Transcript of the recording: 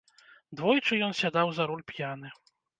Двойчы ён сядаў за руль п'яны.